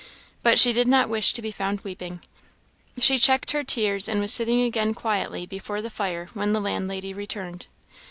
But she did not wish to be found weeping; she checked her tears, and was sitting again quietly before the fire when the landlady returned.